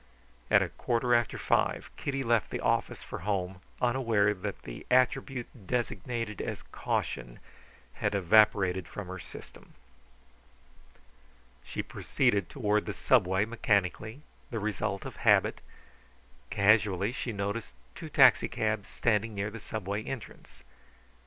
At a quarter after five Kitty left the office for home, unaware that the attribute designated as caution had evaporated from her system. She proceeded toward the Subway mechanically, the result of habit. Casually she noted two taxicabs standing near the Subway entrance.